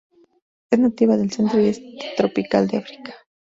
Es nativa del centro y este tropical de África.